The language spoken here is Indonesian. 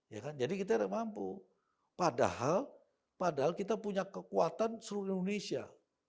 ya kan jadi kita tidak mampu padahal kita punya kekuatan seluruh indonesia